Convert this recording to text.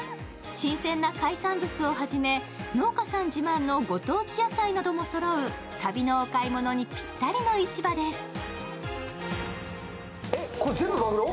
新鮮な海産物をはじめご当地野菜などもそろう、旅のお買い物にぴったりの市場です。